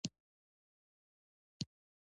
یو شی چې ماته په زړه پورې و هغه دا دی.